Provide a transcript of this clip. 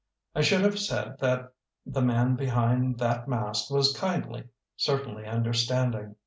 I should have said that the man behind that mask was kindly, cer tainly understanding.